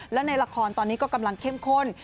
และในละครตอนนี้ก็กำลังเข้มข้น